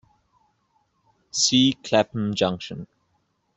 See Clapham Junction.